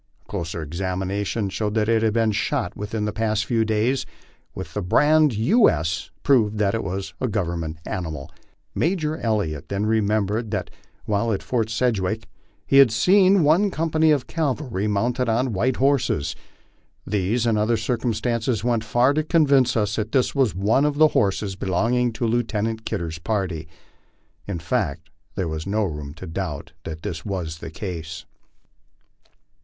A closer examination showed that it had been shot within the past few days, while the brand, U. S., proved that it was a government animal. Major Elliott then remembered that while at Fort Sedgwick he had seen one company of cavalry mounted upon white horses. These and other circumstances went far to convince us that this was one of the horses belonging to Lieutenant Kidder's party. In fact there was no room to doubt that this was the case.